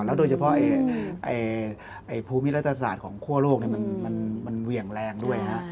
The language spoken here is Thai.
โดยเฉพาะภูมิรัฐศาสตร์ของคั่วโลกมันเหวี่ยงแรงด้วย